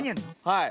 はい。